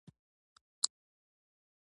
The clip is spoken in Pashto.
نيکه يې په زړه کې وګرځېد.